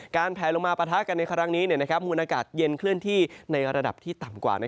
แผลลงมาปะทะกันในครั้งนี้มูลอากาศเย็นเคลื่อนที่ในระดับที่ต่ำกว่า